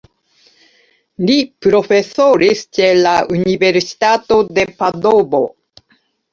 Li profesoris ĉe la universitato de Padovo.